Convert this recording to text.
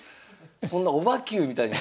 そんなオバＱみたいに。